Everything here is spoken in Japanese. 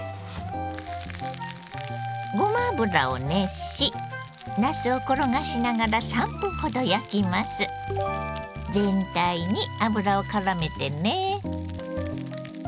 ごま油を熱しなすを転がしながら全体に油をからめてね。